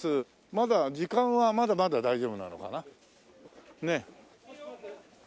まだ時間はまだまだ大丈夫なのかな？